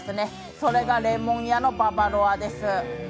それが檸檬屋のババロアです。